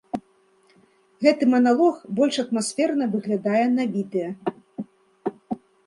Гэты маналог больш атмасферна выглядае на відэа.